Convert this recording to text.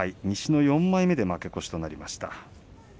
西の４枚目で負け越しとなりました。